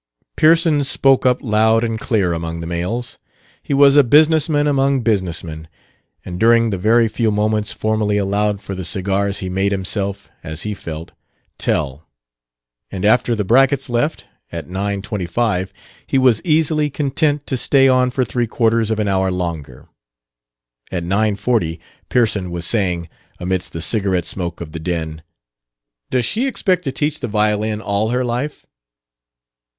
Pearson spoke up loud and clear among the males. He was a business man among business men, and during the very few moments formally allowed for the cigars he made himself, as he felt, tell. And after the Bracketts left at nine twenty five he was easily content to stay on for three quarters of an hour longer. At nine forty Pearson was saying, amidst the cigarette smoke of the den: "Does she expect to teach the violin all her life?"